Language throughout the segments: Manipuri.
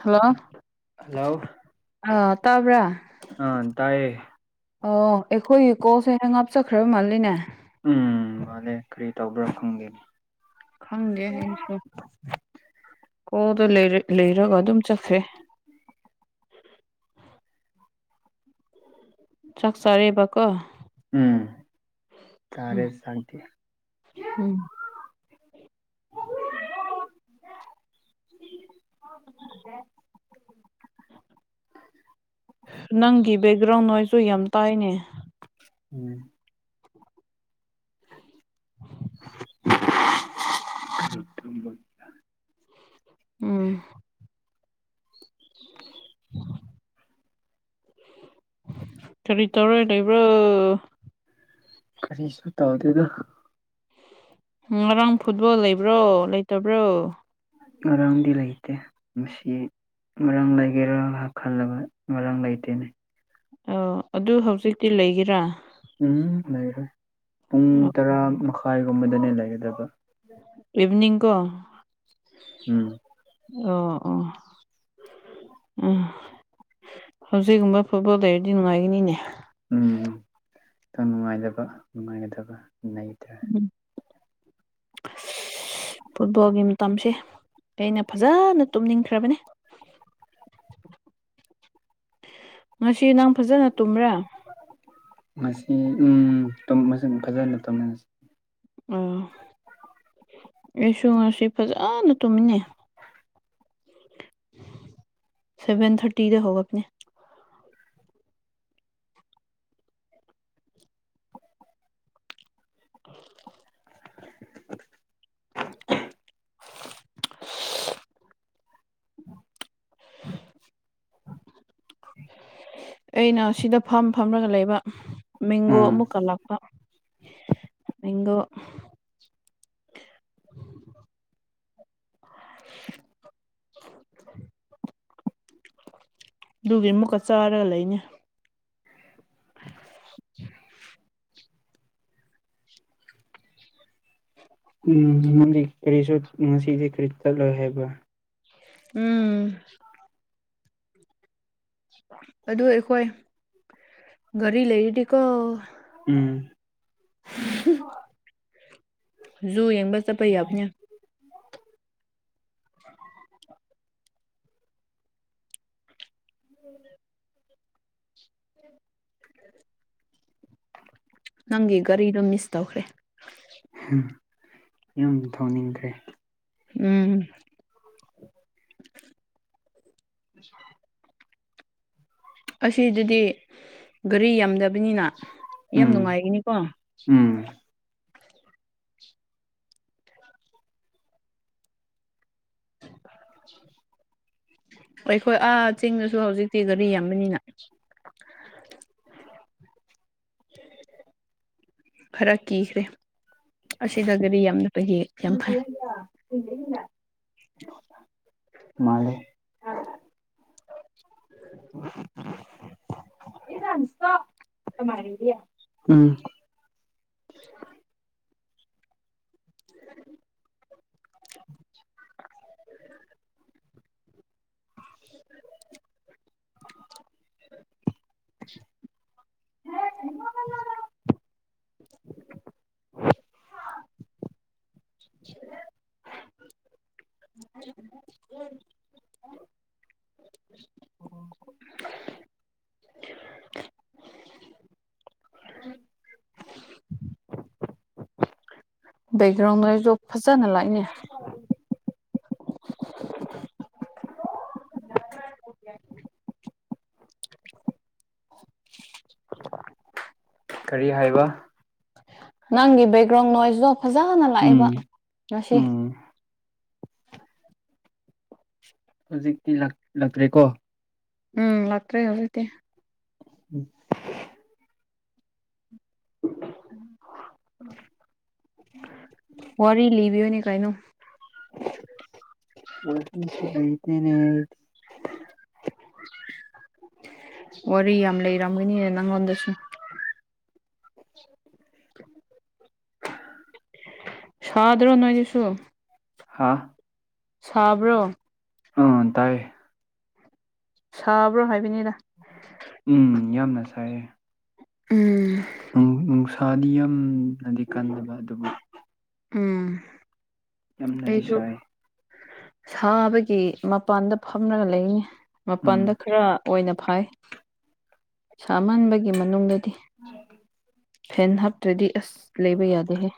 ꯍꯜꯂꯣ ꯍꯜꯂꯣ ꯑ ꯇꯥꯕ꯭ꯔꯥ ꯑꯥ ꯇꯥꯏꯌꯦ ꯑꯣ ꯑꯩꯈꯣꯏꯒꯤ ꯀꯣꯜꯁꯦ ꯍꯦꯡꯑꯞ ꯆꯈ꯭ꯔꯥ ꯃꯥꯜꯂꯤꯅꯦ ꯎꯝ ꯃꯥꯂꯦ ꯀꯔꯤ ꯇꯧꯕ꯭ꯔꯥ ꯈꯪꯗꯦ ꯈꯪꯗꯦ ꯑꯩꯁꯨ ꯀꯣꯜꯗꯨ ꯂꯩꯔ ꯂꯩ ꯗꯒ ꯑꯗꯨꯝ ꯆꯠꯈ꯭ꯔꯦ ꯆꯥꯛ ꯆꯥꯔꯦꯕ ꯀꯣ ꯎꯝ ꯎꯝ ꯇꯔꯦ ꯁꯥꯟꯇꯤ ꯎꯝ [inaudible] ꯗꯦ ꯅꯪꯒꯤ ꯕꯦꯛꯒ꯭ꯔꯥꯎꯟ ꯅꯣꯏꯁꯨ ꯌꯥꯝ ꯇꯥꯏꯅꯦ ꯎꯝ [inaudible] ꯎꯝ [inaudible] ꯀꯔꯤ ꯇꯧꯔꯥꯏ ꯂꯩꯕ꯭ꯔ‌ꯣ ꯀꯔꯤ ꯁ ꯇꯥꯎꯗꯦꯗ ꯉꯔꯥꯡ ꯐꯨꯠꯕꯣꯜ ꯂꯩꯕ꯭ꯔꯣ ꯂꯩꯇꯕ꯭ꯔꯣ ꯉꯔꯥꯡꯗꯤ ꯂꯩꯇꯦ ꯃꯁꯤ ꯃꯔꯥꯡ ꯂꯩꯒꯦꯔꯥ ꯉꯥꯏꯍꯥꯛ ꯈꯜꯂꯒ ꯃꯔꯥꯡ ꯂꯩꯇꯦꯅꯦ ꯑ ꯑꯗꯨ ꯍꯧꯖꯤꯛꯇꯤ ꯂꯩꯒꯦꯔꯥ ꯎꯝ ꯂꯩꯔꯣꯏ ꯄꯨꯡ ꯑꯣ ꯇꯔꯥ ꯃꯈꯥꯏꯒꯨꯝꯕꯗꯅꯦ ꯂꯩꯒꯗꯕ ꯏꯚꯅꯤꯡ ꯀꯣ ꯎꯝ ꯑꯣ ꯑꯣ ꯎꯝ ꯍꯧꯖꯤꯛꯒꯨꯝꯕ ꯐꯨꯠꯕꯣꯜ ꯂꯩꯔꯗꯤ ꯅꯨꯡꯉꯥꯏꯒꯅꯤꯅꯦ ꯎꯝ ꯎꯝ ꯈꯤꯇꯪ ꯅꯨꯡꯉꯥꯏꯇꯕ ꯅꯨꯡꯉꯥꯏꯒꯗꯕ ꯂꯩꯇꯥꯔꯦ [unintelligible] ꯐꯨꯠꯕꯣꯜꯒꯤ ꯃꯇꯝꯁꯦ ꯑꯩꯅ ꯐꯖꯅ ꯇꯨꯝꯅꯤꯡꯈ꯭ꯔꯕꯅꯦ [unintelligible] ꯉꯁꯤ ꯅꯪ ꯐꯖꯅ ꯇꯨꯝꯕ꯭ꯔꯥ ꯃꯁꯤ ꯎꯝ ꯐꯖꯅ ꯇꯧꯃꯤꯟꯅꯁꯤ ꯑꯣ ꯑꯩꯁꯨ ꯉꯁꯤ ꯐꯖꯅ ꯇꯨꯝꯅꯤ ꯁꯦꯚꯟ ꯊꯔꯇꯤꯗ ꯍꯧꯒꯅꯦ ꯑꯥ ꯑꯩꯅ ꯁꯤꯗ ꯐꯝ ꯐꯝꯂꯒ ꯂꯩꯕ ꯃꯦꯡꯒꯣ ꯎꯝ ꯑꯃꯨꯛ ꯀꯜꯂꯛꯄ ꯏꯒꯣ [unintelligible] ꯑꯗꯨꯒꯤ ꯑꯃꯨꯛꯀ ꯆꯥꯔꯒ ꯂꯩꯅꯤ [unintelligible] ꯎꯝꯗꯤ ꯀꯔꯤꯁꯨ ꯉꯁꯤꯗꯤ ꯀꯔꯤ ꯆꯠꯂꯣꯏ ꯍꯥꯏꯕ ꯎꯝ ꯑꯗꯨ ꯑꯩꯈꯣꯏ ꯒꯥꯔꯤ ꯂꯩꯔꯤꯗꯤꯀꯣ ꯎꯝ [unintelligible] ꯖꯨꯨ ꯌꯦꯡꯕ ꯆꯠꯄ ꯌꯥꯕꯅꯦ ꯎꯝ ꯅꯪꯒꯤ ꯒꯥꯔꯤꯗ ꯃꯤꯁ ꯇꯧꯈ꯭ꯔꯦ ꯌꯨꯝ ꯊꯧꯅꯤꯡꯈ꯭ꯔꯦ ꯎꯝ ꯑꯁꯤꯗꯨꯗꯤ ꯒꯥꯔꯤ ꯌꯥꯝꯗꯕꯅꯤꯅ ꯌꯥꯝ ꯎꯝ ꯅꯨꯡꯉꯥꯏꯈꯤꯅꯤꯀꯣ ꯎꯝ ꯑꯩꯈꯣꯏ ꯑꯥ ꯆꯤꯡꯗꯁꯨ ꯍꯧꯖꯤꯛꯇꯤ ꯒꯥꯔꯤ ꯌꯥꯝꯕꯅꯤꯅ ꯈꯔ ꯀꯤꯈ꯭ꯔꯦ ꯑꯁꯤꯗꯒꯤꯗꯤ ꯌꯥꯝꯅ ꯃꯥꯂꯦ [unintelligible] [unintelligible] ꯎꯝ [inaudible] [unintelligible] [unintelligible] [inaudible] [inaudible] [inaudible] [unintelligible] [unintelligible] [unintelligible] [unintelligible] [inaudible] ꯕꯦꯛꯒ꯭ꯔꯥꯎꯟꯒꯥꯏꯖꯨ ꯐꯖꯅ ꯂꯥꯛꯏꯅꯦ [inaudible] [unintelligible] ꯀꯔꯤ ꯍꯥꯏꯕ ꯅꯪꯒꯤ ꯕꯦꯛꯒ꯭ꯔꯥꯎꯟ ꯅꯣꯏꯁꯇꯣ ꯐꯖꯅ ꯂꯥꯛꯑꯦꯕ ꯎꯝ ꯉꯁꯤ ꯎꯝ ꯍꯧꯖꯤꯛꯇꯤ ꯂꯛꯇ꯭ꯔꯦꯀꯣ ꯎꯝ ꯂꯥꯛꯇ꯭ꯔꯦ ꯍꯧꯖꯤꯛꯇꯤ [unintelligible] [inaudible] [unintelligible] ꯋꯥꯔꯤ ꯂꯤꯕꯤꯌꯨꯅꯦ ꯀꯩꯅꯣ ꯍꯩꯇꯦꯅꯦ [inaudible] [unintelligible] ꯋꯥꯔꯤ ꯌꯥꯝ ꯂꯩꯔꯝꯒꯅꯤꯅꯦ ꯅꯉꯣꯟꯗꯁꯨ [inaudible] [unintelligible] [inaudible] [unintelligible] ꯁꯥꯗ꯭ꯔꯣ ꯅꯣꯏꯗꯁꯨ ꯍꯥꯥ ꯁꯥꯕ꯭ꯔꯣ ꯑꯝ ꯇꯥꯏꯌꯦ ꯁꯥꯕ꯭ꯔꯣ ꯍꯥꯏꯕꯅꯤꯗꯥ ꯎꯝ ꯌꯥꯝꯅ ꯁꯥꯏꯌꯦ ꯎꯝ ꯊꯥꯅꯤꯌꯝꯅꯗꯤ ꯀꯟꯗꯕ ꯑꯗꯨꯕꯨ ꯑꯝ ꯌꯥꯝꯅꯗꯤ ꯁꯥꯏ ꯁꯥꯕꯒꯤ ꯃꯄꯥꯟꯗ ꯐꯝꯂꯒ ꯂꯩꯅꯤ ꯎꯝ ꯃꯄꯥꯟꯗ ꯈꯔ ꯑꯣꯏꯅ ꯐꯥꯏ ꯁꯥꯃꯟꯕꯒꯤ ꯃꯅꯨꯡꯗꯗꯤ ꯐꯦꯟ ꯍꯥꯞꯇ꯭ꯔꯗꯤ ꯑꯁ ꯂꯩꯕ ꯌꯥꯗꯦ ꯍꯦ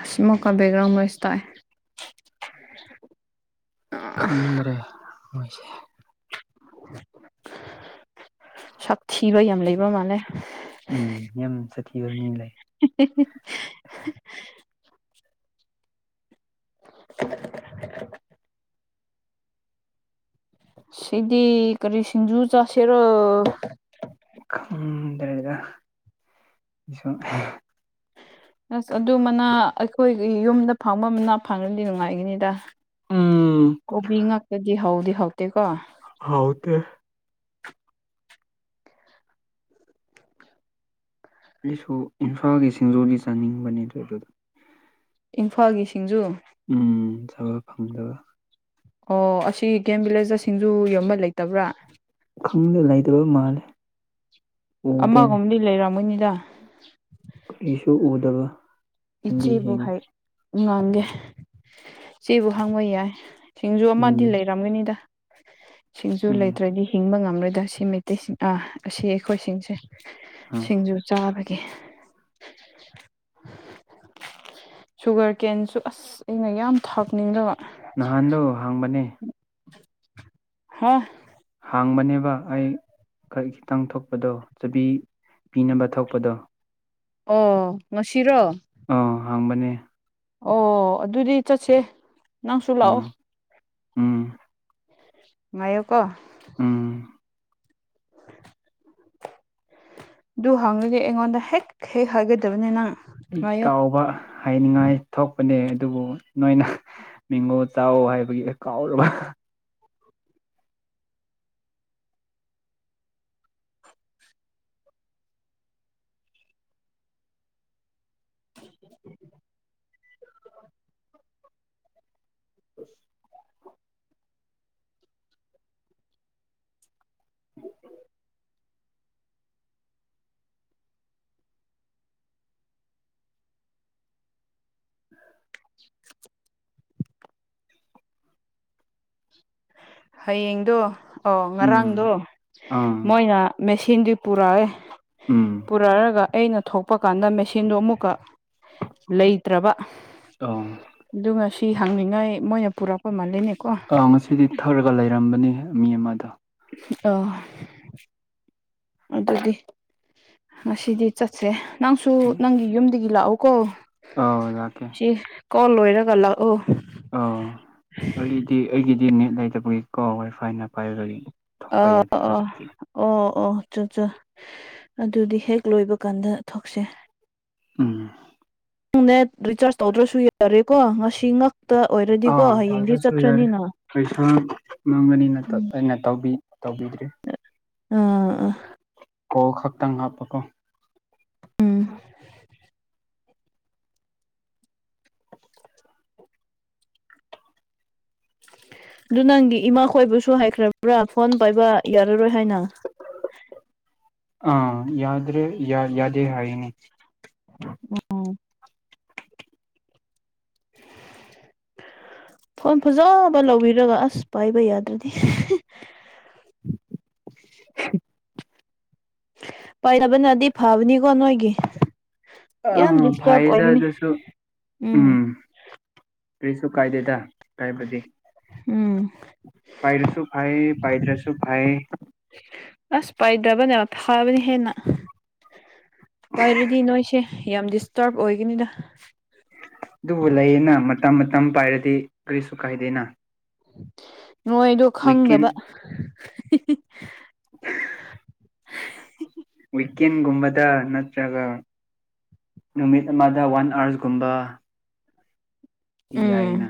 ꯑꯁ ꯃꯃꯨꯛꯀꯥ ꯕꯦꯒ꯭ꯔꯥꯎꯝꯝꯕ ꯅꯣꯏꯁ ꯇꯥꯥꯏ ꯈꯪꯗ꯭ꯔꯦ ꯃꯣꯏꯁꯦ ꯁꯥꯊꯤꯕ ꯌꯥꯝ ꯂꯩꯕ ꯃꯥꯜꯂꯦ ꯎꯝ ꯌꯥꯝ ꯁꯥꯊꯤꯕ ꯃꯤ ꯂꯩ [inaudible] [unintelligible] [inaudible] [unintelligible] ꯁꯤꯗꯤ ꯀꯔꯤ ꯁꯤꯡꯖꯨ ꯆꯥꯁꯦꯔꯣ ꯈꯪꯗꯔ꯭ꯦꯗꯥ ꯑꯩꯖꯨ ꯑꯁ ꯑꯗꯨ ꯃꯅꯥ ꯑꯩꯈꯣꯏꯒꯤ ꯌꯨꯝꯗ ꯐꯪꯕ ꯃꯅꯥ ꯐꯪꯅꯗꯤ ꯅꯨꯡꯉꯥꯏꯒꯅꯤꯗ ꯎꯝ ꯀꯣꯕꯤ ꯉꯥꯛꯇꯗꯤ ꯍꯥꯎꯗꯤ ꯍꯥꯎꯇꯦꯀꯣ ꯍꯥꯎꯇꯦ ꯑꯩꯁꯨ ꯏꯝꯐꯥꯜꯒꯤ ꯁꯤꯡꯖꯨꯗꯤ ꯆꯥꯅꯤꯡꯕꯅꯦ ꯑꯗꯨ ꯑꯗꯨꯗ ꯏꯝꯐꯥꯜꯒꯤ ꯁꯤꯡꯖꯨ ꯊꯕ ꯐꯪꯗꯕ ꯑꯣ ꯑꯁꯤ ꯒꯦꯝ ꯚꯤꯂꯦꯖ ꯁꯤꯡꯖꯨ ꯌꯣꯟꯕ ꯂꯩꯇꯕ꯭ꯔꯥ ꯈꯪꯗꯦ ꯂꯩꯇꯕ ꯃꯥꯜꯂꯦ ꯎꯗꯦꯅꯦ ꯑꯃꯒꯨꯝꯗꯤ ꯂꯩꯔꯝꯃꯣꯏꯅꯤꯗ ꯀꯔꯤꯁꯨ ꯎꯗꯕ ꯍꯤꯡꯗꯤ ꯏꯆꯦꯕꯨ ꯌꯦꯡꯉꯤ ꯍꯥꯏ ꯉꯥꯡꯒꯦ ꯏꯆꯦꯕꯨ ꯍꯥꯡꯕ ꯌꯥꯏ ꯁꯤꯡꯖꯨ ꯎꯝ ꯑꯃꯗꯤ ꯂꯩꯔꯝꯒꯅꯤꯗ ꯁꯤꯡꯖꯨ ꯎꯝ ꯂꯩꯇ꯭ꯔꯗꯤ ꯍꯤꯡꯕ ꯉꯝꯂꯣꯏ ꯗ ꯁꯤ ꯃꯩꯇꯩꯁꯤꯡ ꯑꯁꯤ ꯑꯩꯈꯣꯏꯁꯤꯡꯁꯦ ꯎꯝ ꯁꯤꯡꯖꯨ ꯆꯥꯕ ꯀꯦ ꯁꯨꯒꯔ ꯀꯦꯟꯁꯨ ꯑꯁ ꯑꯩꯅ ꯌꯥꯝ ꯊꯥꯛꯅꯤꯡꯗꯕ ꯅꯍꯥꯟꯗꯨ ꯍꯥꯡꯕꯅꯦ ꯍꯥ ꯍꯥꯡꯕꯅꯦꯕ ꯑꯩ ꯈ ꯈꯤꯇꯪ ꯊꯣꯛꯄꯗꯣ ꯆꯕꯤ ꯄꯤꯅꯕ ꯊꯣꯛꯄꯗꯣ ꯑꯣ ꯉꯁꯤꯔꯣ ꯍꯥꯡꯕꯅꯤ ꯑꯣ ꯑꯗꯨꯗꯤ ꯆꯠꯁꯦ ꯅꯪꯁꯨ ꯂꯥꯛꯑꯣ ꯎꯝ ꯎꯝ ꯃꯌꯨ ꯀꯣ ꯎꯝ ꯑꯗꯨꯗꯨ ꯍꯪꯉꯒ ꯑꯩꯉꯣꯟꯗ ꯍꯦꯛ ꯍꯦꯛ ꯍꯥꯏꯒꯗꯕꯅꯤ ꯅꯪ ꯑꯩ ꯉꯥꯏꯌꯣ ꯀꯥꯎꯕ ꯍꯥꯏꯅꯤꯡꯉꯥꯏ ꯊꯣꯛ ꯅꯦ ꯑꯗꯨꯕꯨ ꯅꯣꯏꯅ ꯃꯤꯉꯣ ꯆꯥꯛ ꯍꯥꯏꯕꯒꯤ ꯀꯥꯎꯔꯕ [unintelligible] ꯑꯁ [unintelligible] ꯍꯌꯦꯡꯗꯣ ꯑꯣ ꯎꯝ ꯉꯔꯥꯡꯗꯣ ꯑꯥ ꯃꯣꯏꯅ ꯃꯦꯆꯤꯟꯗꯤ ꯄꯨꯔꯛꯑꯦ ꯎꯝ ꯄꯨꯔꯛꯑꯒ ꯑꯩꯅ ꯊꯣꯛꯄ ꯀꯥꯟꯗ ꯃꯦꯆꯤꯟꯗꯣ ꯑꯃꯨꯛꯀ ꯂꯩꯇ꯭ꯔꯕ ꯑꯧ ꯑꯗꯨꯒ ꯉ ꯁꯤ ꯍꯪꯅꯤꯡꯉꯥꯏ ꯃꯣꯏꯅ ꯄꯨꯔꯛꯄ ꯃꯥꯜꯂꯤꯅꯦ ꯑꯥ ꯉꯁꯤꯗꯤ ꯊꯛꯔꯒ ꯂꯩꯔꯝꯕꯅꯤ ꯃꯤ ꯑꯃꯗꯣ ꯑꯣ ꯑꯗꯨꯗꯤ ꯉꯁꯤꯗꯤ ꯆꯠꯁꯦ ꯅꯪꯁꯨ ꯅꯪꯒꯤ ꯌꯨꯝꯗꯒꯤ ꯂꯥꯛꯑꯣꯀꯣ ꯑꯗꯀꯦ ꯀꯣꯜ ꯂꯣꯏꯔꯒ ꯂꯥꯛꯑꯣ ꯑꯥ ꯑꯩꯗꯤ ꯑꯩꯒꯤꯗꯤ ꯅꯦꯠ ꯂꯩꯇꯕꯒꯤ ꯀꯣ ꯋꯥꯏ ꯐꯥꯏꯅ ꯄꯥꯏꯕꯒꯤ ꯊꯣꯛꯣꯛꯄ ꯌꯥꯗ ꯑꯣ ꯍꯧꯖꯤꯀꯤ ꯑꯣ ꯑꯣ ꯆꯣ ꯆꯣ ꯑꯗꯨꯗꯤ ꯍꯦꯛ ꯂꯣꯏꯕ ꯀꯥꯟꯗ ꯊꯣꯛꯛꯁꯦ ꯎꯝ ꯅ ꯅꯦꯠ ꯔꯤꯆꯥꯔꯖ ꯇꯧꯗ꯭ꯔꯁꯨ ꯌꯥꯏ ꯌꯥꯔꯦꯀꯣ ꯉꯁꯤ ꯉꯛꯇ ꯑꯣꯏꯔꯗꯤꯀꯣ ꯑꯥ ꯍꯌꯦꯡꯗꯤ ꯇꯧꯗ꯭ꯔꯁꯨ ꯌꯥꯔꯦ ꯆꯠꯈ꯭ꯔꯅꯤꯅ ꯄꯩꯁꯥ ꯃꯥꯡꯒꯅꯤꯅ ꯎꯝ ꯑꯩꯅ ꯇꯧꯕꯤꯗ꯭ꯔꯔꯤ ꯑꯥ ꯀꯣ ꯈꯛꯇꯪ ꯍꯥꯞꯄꯀꯣ ꯎꯝ ꯑꯗꯨ ꯅꯪꯒꯤ ꯏꯃꯥ ꯈꯣꯏꯕꯨꯁꯨ ꯍꯥꯏꯈ꯭ꯔꯕ꯭ꯔꯥ ꯐꯣꯟ ꯄꯥꯏꯕ ꯌꯥꯔꯔꯣꯏ ꯍꯥꯏꯅ ꯍ ꯑꯥ ꯌꯥꯗ꯭ꯔꯦ ꯌꯥ ꯌꯥꯗꯦ ꯍꯥꯏꯅꯤ [unintelligible] ꯐꯣꯟ ꯐꯖꯕ ꯂꯧꯕꯤꯔꯒ ꯑꯁ ꯄꯥꯏꯕ ꯌꯥꯗ꯭ꯔꯗꯤ [unintelligible] ꯄ ꯔꯕꯅ ꯑꯗꯤ ꯐꯥꯕꯅꯤ ꯀꯣ ꯅꯣꯏꯒꯤ ꯌꯥꯝ ꯑꯥ ꯗꯤꯁꯇꯔꯕ ꯐꯩꯗ ꯑꯣꯏꯒꯅꯤ ꯑꯗꯨꯁꯨ ꯎꯝ ꯀꯔꯤꯁꯨꯨ ꯀꯥꯏꯗꯦꯗ ꯀꯥꯏꯕꯤ ꯎꯝ ꯄꯥꯏꯗꯁꯨ ꯐ ꯍꯥꯏꯥꯏ ꯄꯥꯏꯗꯁꯨ ꯐ ꯍꯥꯏ ꯑꯁ ꯄꯥꯏꯗ꯭ꯔꯕꯅꯦ ꯈꯕꯅꯤ ꯍꯦꯅ ꯄꯥꯏꯔꯗꯤ ꯅꯣꯏꯁꯦ ꯌꯥꯝ ꯗꯤꯁꯇꯔꯕ ꯑꯣꯏꯒꯅꯤꯗ ꯑꯗꯨꯕꯨ ꯂꯩꯌꯦꯅ ꯃꯇꯝ ꯃꯇꯝ ꯄꯥꯏꯔꯗꯤ ꯀꯔꯤꯁꯨ ꯀꯥꯏꯗꯦꯅ ꯅꯣꯏꯗꯣ ꯈꯪꯗꯕ ꯋꯤꯛꯀꯦꯟꯒꯨꯝꯕꯗ ꯅꯠꯇ꯭ꯔꯒ ꯅꯨꯃꯤꯠ ꯑꯃꯗ ꯋꯥꯟ ꯑꯥꯔꯁꯒꯨꯝꯕ ꯇꯤ ꯎꯝ ꯍꯥꯏꯏꯅ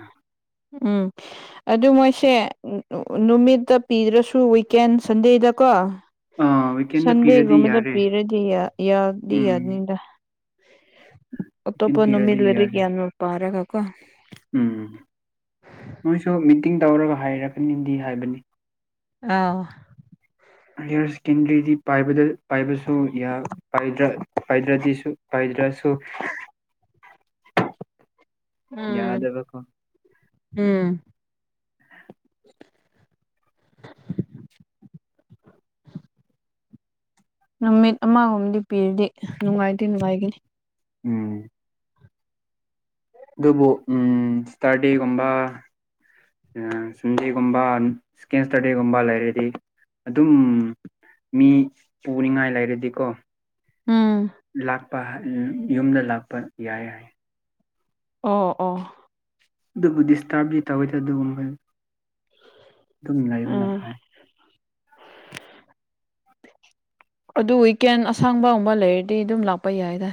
ꯎꯝ ꯑꯗꯨ ꯃꯣꯏꯁꯦ ꯅꯨꯃꯤꯠꯇ ꯄꯤꯗ꯭ꯔꯁꯨ ꯋꯤꯀꯦꯟ ꯁꯟꯗꯦꯗꯀꯣ ꯑꯥ ꯋꯤꯀꯦꯟꯗ ꯄꯤꯔꯗꯤ ꯁꯟꯗꯦꯒꯨꯝꯕꯗ ꯌꯥꯔꯦ ꯄꯤꯔꯗꯤ ꯌꯥꯗꯤ ꯎꯝ ꯌꯥꯅꯤꯡꯗ ꯑ ꯇꯣꯄ ꯋꯤꯀꯦꯟ ꯅꯃꯤꯜ ꯄꯤꯔꯗꯤ ꯌꯥꯔꯦ ꯑꯣꯏꯔꯒꯌꯥꯅ ꯄꯔꯒꯀꯣ ꯎꯝ ꯃꯣꯏꯁꯨ ꯃꯤꯇꯤꯡ ꯇꯧꯔꯒ ꯍꯥꯏꯔꯛꯀꯅꯤꯗꯤ ꯍꯥꯏꯕꯅꯤ ꯑ ꯍꯌꯔ ꯁꯦꯀꯦꯟꯗꯔꯤꯗꯤ ꯄꯥꯏꯕꯁꯨ ꯄꯥꯏꯗ꯭ꯔꯗꯤꯁꯨ ꯑꯗꯨꯔꯁꯨ ꯎꯝ ꯌꯗꯥꯕꯀꯣ ꯎꯝ [inaudible] ꯅꯨꯃꯤꯠ ꯑꯃꯒꯣꯝꯗꯤ ꯄꯤꯔꯗꯤ ꯅꯨꯡꯉꯥꯏꯇꯦ ꯅꯨꯡꯉꯥꯏꯅꯤ ꯎꯝ ꯑꯗꯨꯕꯨ ꯎꯝ ꯏꯁꯇꯥꯔꯗꯤꯒꯨꯝꯕ ꯁꯟꯗꯦꯒꯨꯝꯕ ꯏꯁꯀꯦꯟ ꯏꯁꯇꯔꯗꯦꯒꯨꯝꯕ ꯂꯩꯔꯗꯤ ꯑꯗꯨꯝ ꯃꯤ ꯎꯅꯤꯡꯉꯥꯏ ꯂꯩꯔꯗꯤꯀꯣ ꯎꯝ ꯂꯥꯛꯄ ꯌꯨꯝꯗ ꯂꯥꯛꯄ ꯌꯥꯏ ꯍꯥꯏ ꯑꯣ ꯑꯣ ꯑꯗꯨꯕꯨ ꯗꯤꯁꯇꯔꯕꯗꯤ ꯇꯧꯋꯤꯗ ꯑꯗꯨꯒꯨꯝꯕ ꯑꯗꯨꯝ ꯂꯩꯕꯅ ꯎꯝ ꯐꯩ ꯑꯗꯨ ꯋꯤꯀꯦꯟ ꯑꯁꯥꯡꯕꯒꯨꯝꯕ ꯂꯩꯔꯗꯤ ꯑꯗꯨꯝ ꯂꯥꯛꯄ ꯌꯥꯏꯗ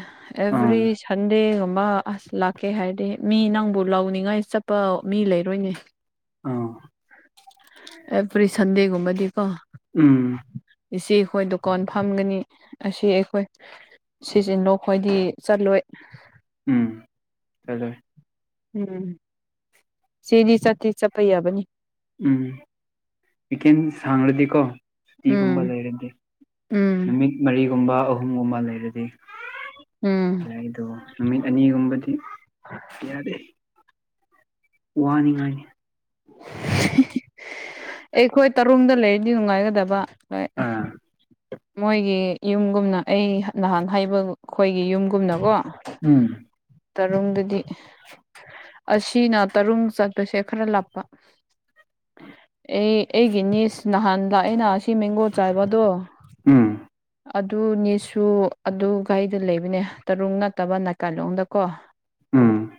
ꯑꯥ ꯑꯦꯕ꯭ꯔꯤ ꯁꯟꯗꯦꯒꯨꯝꯕ ꯑꯁ ꯂꯥꯛꯀꯦ ꯍꯥꯏꯔꯗꯤ ꯃꯤ ꯅꯪꯕꯨ ꯂꯧꯥꯎꯅꯤꯡꯉꯥꯏ ꯆꯠꯄ ꯃꯤ ꯂꯩꯔꯣꯏꯅꯦ ꯑꯥ ꯑꯦꯕꯔꯤ ꯁꯟꯗꯦꯒꯨꯃꯗꯀꯣ ꯎꯝ ꯏꯆꯦ ꯑꯩꯈꯣꯏ ꯗꯨꯀꯥꯟ ꯐꯝꯒꯅꯤ ꯑꯁꯤ ꯑꯩꯈꯣꯏ ꯁꯤꯁꯤꯅꯣ ꯑꯩꯣꯏꯗꯤ ꯆꯠꯂꯣꯏ ꯎꯝ ꯐꯗ ꯎꯝ ꯁꯤꯦꯗꯤ ꯆꯇ ꯆꯄꯩ ꯌꯥꯕꯅꯤ ꯎꯝ ꯋꯤꯀꯦꯟ ꯁꯥꯡꯂꯗꯤꯀꯣ ꯁꯨꯇꯤꯒꯨꯝꯕ ꯎꯝ ꯂꯩꯔꯗꯤ ꯎꯝ ꯅꯨꯃꯤꯠ ꯃꯔꯤ ꯀꯨꯝꯕ ꯑꯍꯨꯝꯒꯨꯝꯕ ꯂꯩꯔꯗꯤ ꯎꯝ ꯌꯥꯏꯗꯣ ꯅꯨꯃꯤꯠ ꯑꯅꯤꯒꯨꯝꯕꯗꯤ ꯌꯥꯗꯦ ꯋꯥꯅꯤꯉꯥꯏ [inaudible] ꯑꯦꯈꯣꯏ ꯇꯔꯨꯗ ꯂꯩꯔꯤꯗꯤ ꯅꯨꯡꯉꯥꯏꯒꯗꯕꯣꯏ ꯑꯥ ꯃꯣꯏꯒꯤ ꯌꯨꯝꯒꯨꯝꯅ ꯑꯩ ꯅꯍꯥꯟ ꯍꯩꯕ ꯑꯩꯈꯣꯏꯒꯤ ꯌꯨꯝꯒꯨꯝꯅꯀꯣ ꯎꯝ ꯇꯔꯨꯨꯝꯗꯗꯤ ꯑꯁꯤꯅ ꯇꯔꯨ ꯆꯠꯄꯁꯦ ꯈꯔ ꯂꯥꯞꯄ ꯑꯩ ꯑꯩꯒꯤ ꯅꯤꯁ ꯅꯍꯥꯟ ꯂꯥꯛꯑꯦꯅ ꯁꯤ ꯃꯦꯡꯒꯣ ꯆꯥꯏꯕꯗꯣ ꯎꯝ ꯑꯗꯨꯅꯦꯁꯨ ꯑꯗꯨ ꯒꯥꯔꯤꯗ ꯂꯩꯕꯅꯦ ꯇꯔꯨ ꯅꯠꯇꯕ ꯅꯥꯏꯀꯥꯏꯂꯣꯡꯗꯀꯣ ꯎꯝ